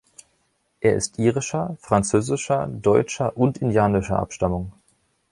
Er ist irischer, französischer, deutscher und indianischer Abstammung.